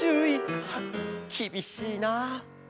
きびしいな！